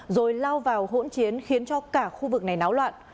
rồi lao vào hỗn chiến khiến cho cả khu vực này náo loạn